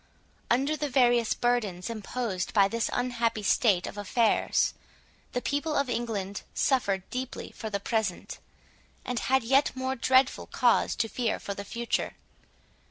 Under the various burdens imposed by this unhappy state of affairs, the people of England suffered deeply for the present, and had yet more dreadful cause to fear for the future.